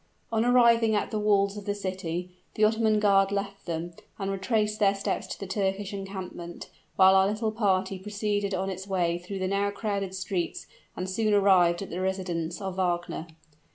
On arriving at the walls of the city, the Ottoman guard left them, and retraced their steps to the Turkish encampment, while our little party proceeded on its way through the now crowded streets, and soon arrived at the residence of Wagner.